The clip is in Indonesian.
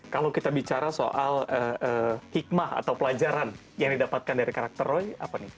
kalau kita bicara soal hikmah atau pelajaran yang didapatkan dari karakter roy apa nih